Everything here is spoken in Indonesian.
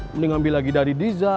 mending ambil lagi dari diza